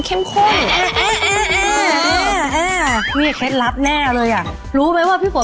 นี่เคล็ดลับแน่เลยอ่ะรู้ไหมว่าพี่ฝน